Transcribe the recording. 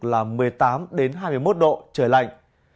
là một mươi tám hai mươi một độ trời lạnh